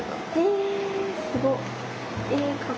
えすごっ。